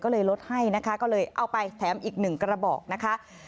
ก็เลยลดให้นะคะก็เลยเอาไปแถมอีกหนึ่งกระบอกนะคะ